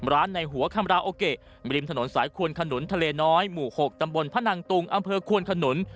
ในหัวคำราโอเกะริมถนนสายควนขนุนทะเลน้อยหมู่๖ตำบลพนังตุงอำเภอควนขนุน